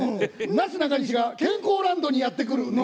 「なすなかにしが健康ランドにやって来る」のようなね。